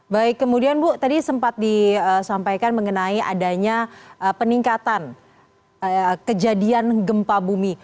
baik kemudian bu tadi sempat disampaikan mengenai adanya peningkatan kejadian gempa bumi